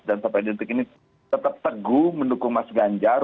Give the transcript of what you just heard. dan sampai di detik ini tetap teguh mendukung mas ganjar